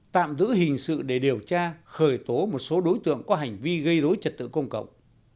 tạm giữ hình sự để điều tra khởi tố một số đối tượng có hành vi gây dối trật tự công cộng